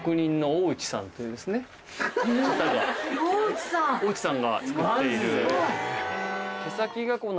大内さんが作っている。